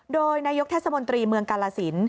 โดยนายกเทศมนตรีเมืองกาลสิน